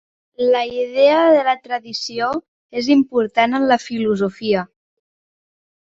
La idea de la tradició és important en la filosofia.